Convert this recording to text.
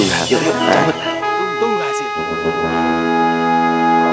tunggu gak sih